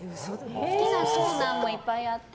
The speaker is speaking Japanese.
好きなコーナーもいっぱいあって。